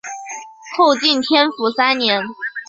后晋天福三年。